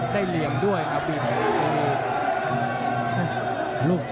ได้เหลี่ยงด้วยครับ